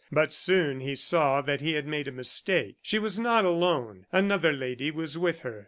But soon he saw that he had made a mistake. She was not alone, another lady was with her.